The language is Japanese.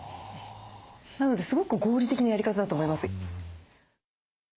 なのですごく合理的なやり方だと思います。